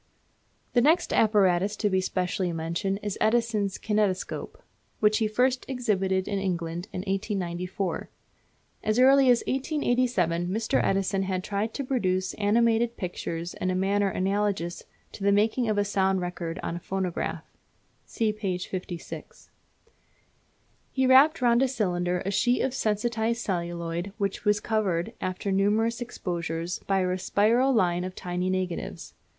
The next apparatus to be specially mentioned is Edison's Kinetoscope, which he first exhibited in England in 1894. As early as 1887 Mr. Edison had tried to produce animated pictures in a manner analogous to the making of a sound record on a phonograph (see p. 56). He wrapped round a cylinder a sheet of sensitized celluloid which was covered, after numerous exposures, by a spiral line of tiny negatives.